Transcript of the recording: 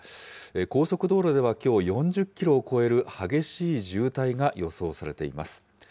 高速道路ではきょう、４０キロを超える激しい渋滞が予想されています。